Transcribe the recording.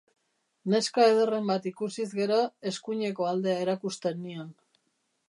Neska ederren bat ikusiz gero, eskuineko aldea erakusten nion.